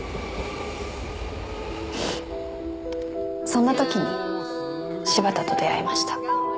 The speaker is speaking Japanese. そんな時に柴田と出会いました。